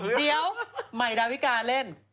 เดี๋ยวเดี๋ยวไมดาวิกาเล่น